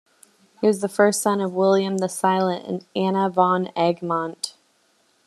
He was the first son of William the Silent and Anna van Egmont.